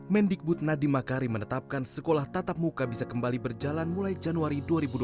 mendik butnadi makari menetapkan sekolah tatap muka bisa kembali berjalan mulai januari dua ribu dua puluh satu